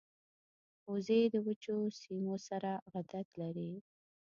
وزې د وچو سیمو سره عادت لري